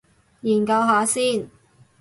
研究下先